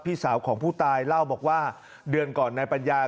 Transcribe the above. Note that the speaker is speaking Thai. พี่สาวของผู้ตายเล่าบอกว่าเดือนก่อนนายปัญญา